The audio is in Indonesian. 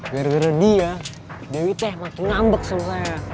gara gara dia dewi teh makin ngambek sama saya